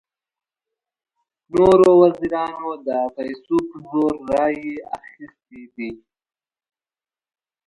نورو وزیرانو د پیسو په زور رایې اخیستې دي.